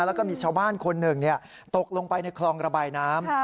แล้วก็มีชาวบ้านคนหนึ่งตกลงไปในคลองระบายน้ำ